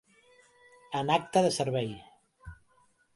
En acte de servei.